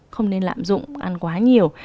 không nên lạm dụng ăn quá nhiều